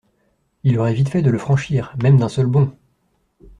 Il aurait vite fait de le franchir, même d’un seul bond!